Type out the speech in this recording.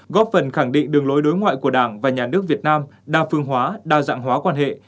góp phần khẳng định đường lối đối ngoại của đảng và nhà nước việt nam đa phương hóa đa dạng hóa quan hệ